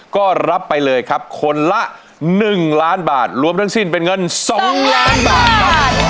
ก็รับไปเลยครับคนละ๑ล้านบาทรวมทั้งสิ้นเป็นเงิน๒ล้านบาทครับ